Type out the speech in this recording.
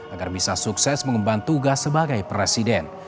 agar bisa sukses mengemban tugas sebagai presiden